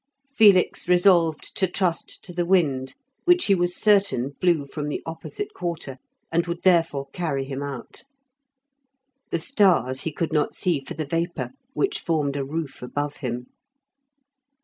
Felix resolved to trust to the wind, which he was certain blew from the opposite quarter, and would therefore carry him out. The stars he could not see for the vapour, which formed a roof above him.